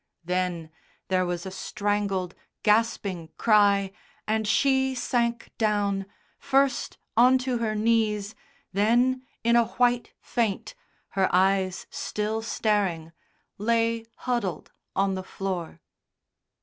Then, there was a strangled, gasping cry, and she sank down, first onto her knees, then in a white faint, her eyes still staring, lay huddled on the floor.